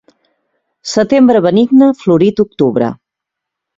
Setembre benigne, florit octubre.